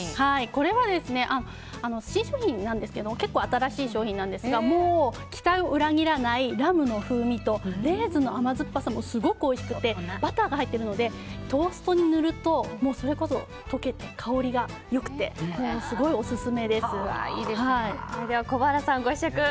これは新商品なんですけど結構新しい商品なんですが期待を裏切らないラムの風味とレーズンの甘酸っぱさもすごくおいしくてバターが入ってるのでトーストに塗るとそれこそ溶けて香りがよくてすごいオススメです。